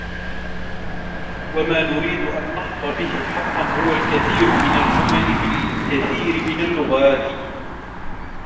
وما نريد أن نحظى به حقًّا هو الكثير من الجمل بالكثير من اللغات.